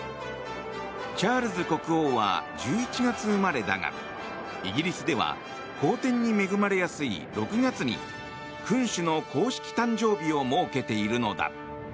チャールズ国王は１１月生まれだがイギリスでは好天に恵まれやすい６月に君主の公式誕生日を設けているのだ。